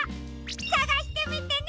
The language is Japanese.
さがしてみてね！